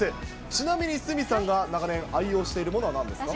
ちなみに鷲見さんが長年愛用しているものはなんですか？